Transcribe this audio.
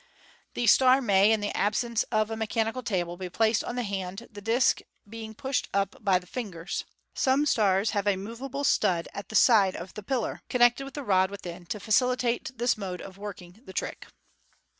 The star may, in the absence of a mechanical table, be placed on the hand, the disc being pushed up by the fingers. Some stars have a move able stud at the side of the pillar, connected with the rod within, to facilitate this mode of working the trick.